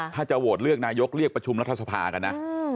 ถ้าจะโหวตเลือกนายกเรียกประชุมรัฐสภากันนะ